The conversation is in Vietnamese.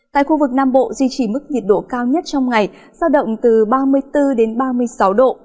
tại khu vực nam bộ duy trì mức nhiệt độ cao nhất trong ngày sao động từ ba mươi bốn đến ba mươi sáu độ